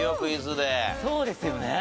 そうですよね。